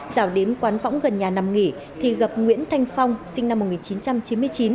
giảo đến quán võng gần nhà nằm nghỉ thì gặp nguyễn thanh phong sinh năm một nghìn chín trăm chín mươi chín